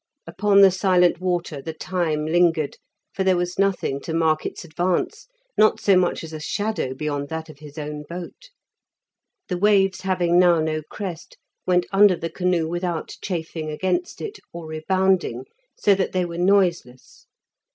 Upon the silent water the time lingered, for there was nothing to mark its advance, not so much as a shadow beyond that of his own boat. The waves having now no crest, went under the canoe without chafing against it, or rebounding, so that they were noiseless.